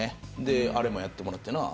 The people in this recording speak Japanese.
であれもやってもらってな。